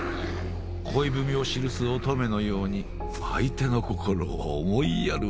恋文を記す乙女のように相手の心を思いやるわけです。